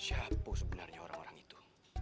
siapa sebenarnya orang orang itu